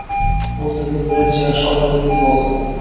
Bu sizning birinchi yaxshi odatingiz bo’lsin